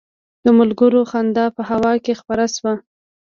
د ملګرو خندا په هوا کې خپره شوه.